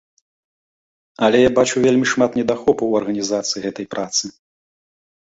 Але я бачу вельмі шмат недахопаў у арганізацыі гэтай працы.